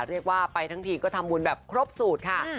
เรียกว่าไปทั้งทีก็ทำบุญแบบครบสูตรค่ะ